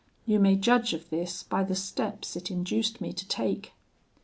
You may judge of this by the steps it induced me to take.'